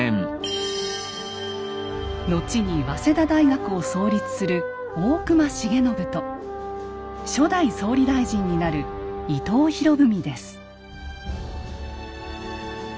後に早稲田大学を創立する大隈重信と初代総理大臣になる伊藤博文です。